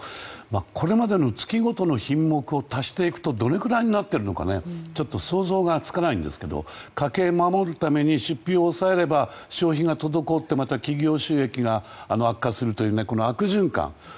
これまでの月ごとの品目を足していくとどれぐらいになっていくのか想像がつかないんですけど家計を守るために出費を抑えれば消費が滞って、また企業収益が悪化するという悪循環。